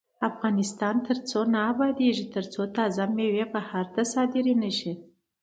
افغانستان تر هغو نه ابادیږي، ترڅو تازه میوې بهر ته صادرې نشي.